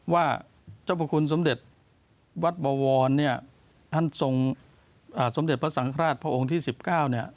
ว่าเจ้าพระคุณสมเด็จวัดบวรเนี่ยท่านทรงสมเด็จพระสังฆราชพระองค์ที่๑๙เนี่ย